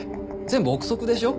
全部臆測でしょ？